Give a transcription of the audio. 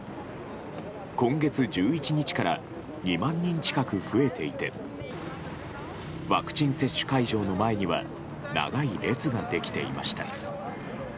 今月１１日から２万人近く増えていてワクチン接種会場の前には長い列ができていました。